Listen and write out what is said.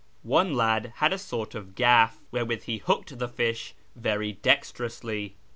One lad had a sort of gaff wherewith he hooked the fish very dexterously.